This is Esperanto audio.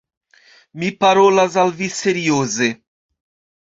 Mi parolas al vi serioze.